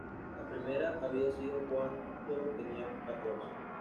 La primera había sido cuando tenía catorce.